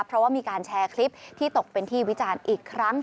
เพราะว่ามีการแชร์คลิปที่ตกเป็นที่วิจารณ์อีกครั้ง